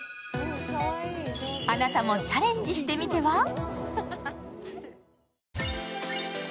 あなたもチャレンジしてみては？